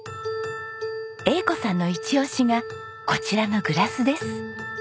栄子さんのイチオシがこちらのグラスです。